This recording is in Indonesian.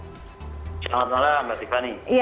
selamat malam mbak tiffany